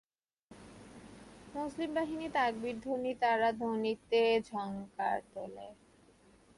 মুসলিম বাহিনীর তকবীর-ধ্বনি তার স্মৃতিতে ঝংকার তোলে।